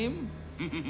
フフフ！